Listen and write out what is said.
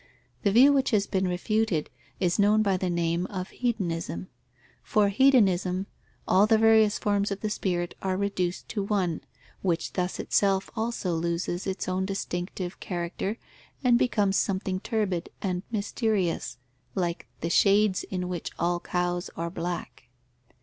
The view which has been refuted is known by the name of hedonism. For hedonism, all the various forms of the spirit are reduced to one, which thus itself also loses its own distinctive character and becomes something turbid and mysterious, like "the shades in which all cows are black."